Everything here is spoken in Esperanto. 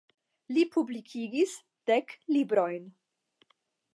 Li publikigis dek librojn.